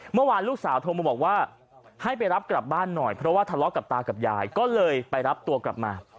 เมื่อวานลูกสาวโทรมาบอกว่าให้ไปรับกลับบ้านหน่อยเพราะว่าทะเลาะกับตากับยายก็เลยไปรับตัวกลับมา